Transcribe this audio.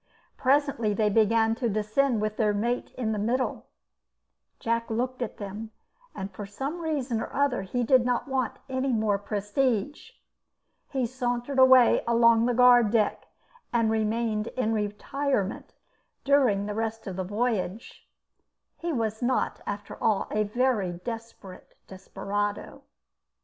Presently they began to descend with their mate in the middle. Jack looked at them, and for some reason or other he did not want any more prestige. He sauntered away along the guard deck, and remained in retirement during the rest of the voyage. He was not, after all, a very desperate desperado.